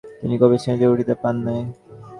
তিনি কবির শ্রেণীতে উঠিতে পান নাই।